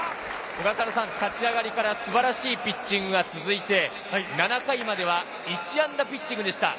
小笠原さん、立ち上がりから素晴らしいピッチングが続いて、７回までは１安打ピッチングでした。